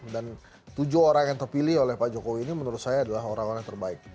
dan tujuh orang yang terpilih oleh pak jokowi ini menurut saya adalah orang orang yang terbaik